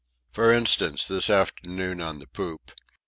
For instance, this afternoon on the poop.